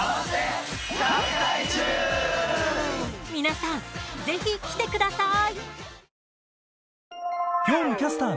皆さんぜひ来てくださーい！